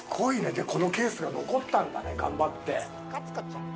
で、このケースが残ったんだね、頑張って。